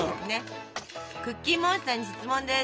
クッキーモンスターに質問です。